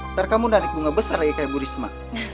ntar kamu narik bunga besar lagi kayak bu risma